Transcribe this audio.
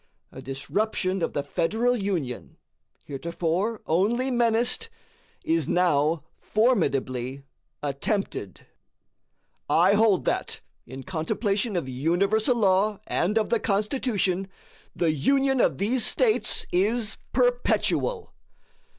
A disruption of the Federal Union, heretofore only menaced, is now formidably attempted. I hold that, in contemplation of universal law and of the Constitution, the Union of these States is perpetual.